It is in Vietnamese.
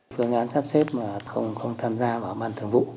phương án sắp xếp mà không tham gia vào ban thường vụ